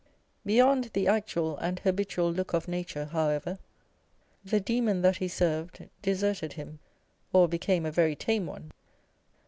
Beyond the actual and habitual look of nature, however, " the demon that he served " deserted him, or became a very tame one.